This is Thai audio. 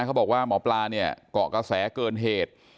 เขาบอกว่าหมอปลาเนี่ยเกาะกระแสเกินเหตุ